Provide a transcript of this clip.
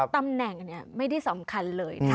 ตำแหน่งนี้ไม่ที่สำคัญเลย